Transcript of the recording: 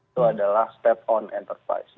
itu adalah step on enterprise